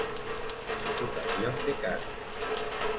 Diputación de Cádiz.